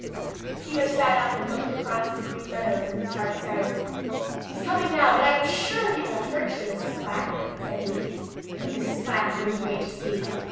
Peter sat up and looked across the Green Meadows, and his heart sank. "He's coming now, but I'm sure he won't hurt you, Mrs. Quack," said he. But Mrs. Quack wouldn't wait to see.